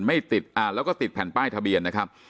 ไม่ติดอ่าแล้วก็ติดแผ่นป้ายทะเบียนนะครับ